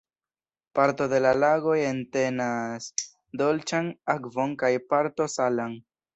Parto de la lagoj entenas dolĉan akvon kaj parto salan.